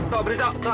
tau beritau tau